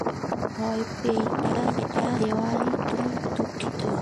ভয় পাইয়ে দেওয়ায় দুঃখিত।